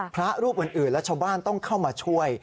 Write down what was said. พระรูปอื่นและชาวบ้านต้องเข้ามาช่วย